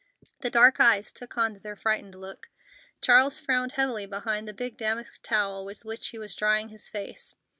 The dark eyes took on their frightened look. Charles frowned heavily behind the big damask towel with which he was drying his face.